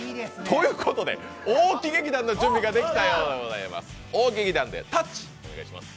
ということで大木劇団の準備ができたようです。